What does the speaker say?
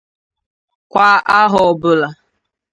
kwà ahọ ọbụla.